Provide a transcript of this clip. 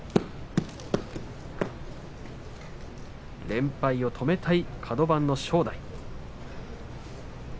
連敗を止めたい、カド番の正代。